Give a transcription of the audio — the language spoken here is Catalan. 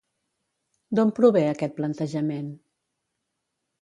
D'on prové aquest plantejament?